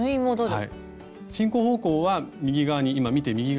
はい。